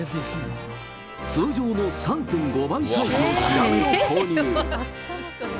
通常の３．５倍サイズのヒラメを購入。